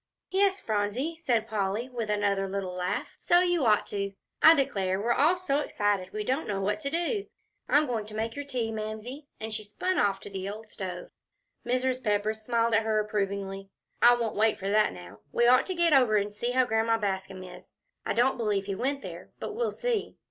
"Yes, Phronsie," said Polly, with another little laugh, "so you ought to. I declare, we're all so excited we don't know what to do. I'm going to make your tea, Mamsie," and she spun off to the old stove. Mrs. Pepper smiled at her approvingly. "I won't wait for that now; we ought to get over and see how Grandma Bascom is. I don't believe he went there, but we'll see."